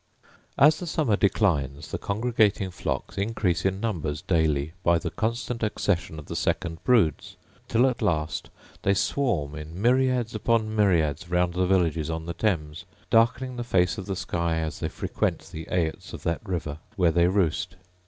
As the summer declines the congregating docks increase in numbers daily by the constant accession of the second broods, till at last they swarm in myriads upon myriads round the villages on the Thames, darkening the face of the sky as they frequent the aits of that river, where they roost.